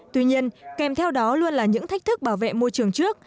tuy nhiên kèm theo đó luôn là những thách thức bảo vệ môi trường trước